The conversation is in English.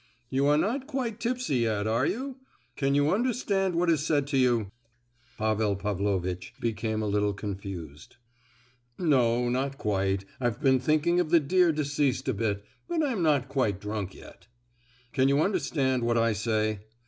"You are not quite tipsy yet, are you? Can you understand what is said to you?" Paul Pavlovitch became a little confused. "No, not quite. I've been thinking of the dear deceased a bit, but I'm not quite drunk yet." "Can you understand what I say?"